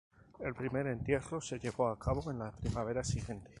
El primer entierro se llevó a cabo en la primavera siguiente.